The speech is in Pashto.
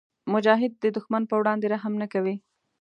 مجاهد د دښمن پر وړاندې رحم نه کوي.